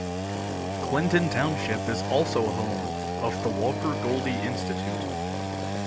Clinton Township is also home of the Walker Goldie Institute.